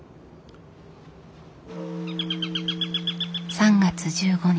３月１５日。